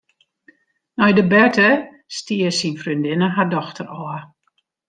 Nei de berte stie syn freondinne har dochter ôf.